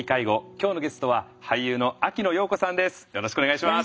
今日のゲストは俳優の秋野暢子さんです。